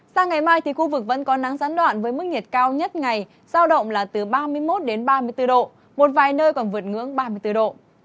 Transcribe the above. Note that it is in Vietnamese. sang ngày mai thì khu vực vẫn có nắng gián đoạn với mức nhiệt cao nhất ngày giao động là từ ba mươi một đến ba mươi bốn độ một vài nơi còn vượt ngưỡng ba mươi bốn độ